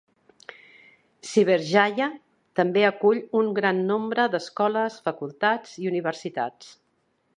Cyberjaya també acull un gran nombre d'escoles, facultats i universitats.